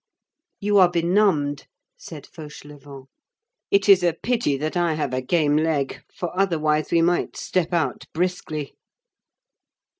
"You are benumbed," said Fauchelevent. "It is a pity that I have a game leg, for otherwise we might step out briskly."